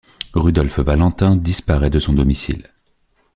Rudolf Valentin disparaît de son domicile.